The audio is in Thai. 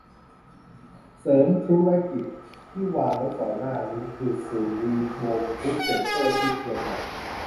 เสริมธุรกิจที่วางไว้ก่อนหน้านี้คือสุริวงศ์บุ๊คเซนเตอร์ ที่เชียงใหม่ ?